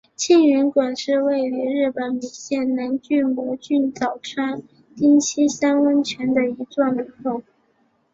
庆云馆是位于日本山梨县南巨摩郡早川町西山温泉的一座旅馆。